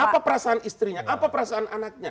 apa perasaan istrinya apa perasaan anaknya